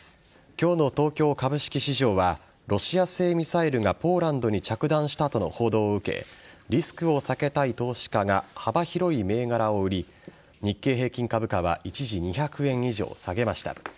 今日の東京株式市場はロシア製ミサイルがポーランドに着弾したと報道を受けリスクを避けたい投資家が幅広い銘柄を売り日経平均株価は一時２００円以上、下げました。